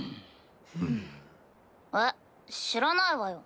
えっ知らないわよ。